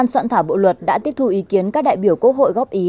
soạn thảo bộ luật đã tiếp thu ý kiến các đại biểu quốc hội góp ý